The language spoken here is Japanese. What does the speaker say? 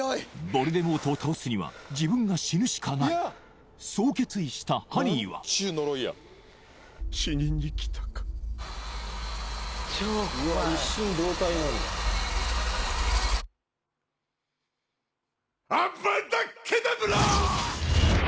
ヴォルデモートを倒すには自分が死ぬしかないそう決意したハリーは死にに来たかアバダケダブラ